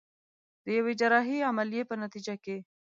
د يوې جراحي عمليې په نتيجه کې.